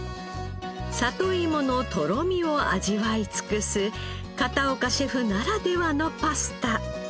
里いものとろみを味わい尽くす片岡シェフならではのパスタ。